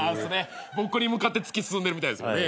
僕に向かって突き進んでるみたいですもんね。